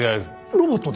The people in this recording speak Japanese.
ロボットで！？